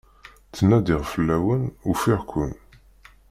Ttnadiɣ fell-awen, ufiɣ-ken.